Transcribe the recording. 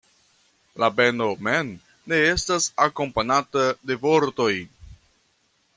La beno mem ne estas akompanata de vortoj.